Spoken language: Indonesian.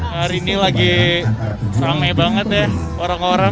hari ini lagi rame banget ya orang orang